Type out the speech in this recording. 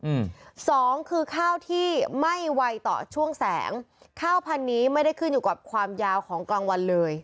อืมสองคือข้าวที่ไม่ไวต่อช่วงแสงข้าวพันนี้ไม่ได้ขึ้นอยู่กับความยาวของกลางวันเลย